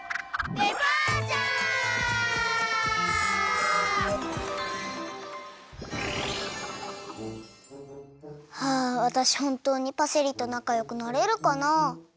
デパーチャー！はあわたしほんとうにパセリとなかよくなれるかな？